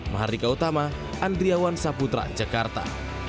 mahardika utama andriawan saputra jakarta